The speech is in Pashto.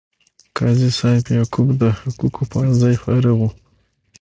قاضي صاحب یعقوب د حقوقو پوهنځي فارغ و.